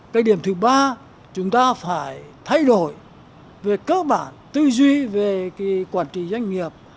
cái điểm thứ ba chúng ta phải thay đổi về cơ bản tư duy về cái quản trị doanh nghiệp